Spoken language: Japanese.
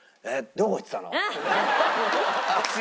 「どこ行ってたの？」。